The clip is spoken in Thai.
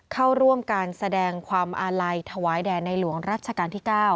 เข้าร่วมการแสดงความอาลัยถวายแด่ในหลวงรัชกาลที่๙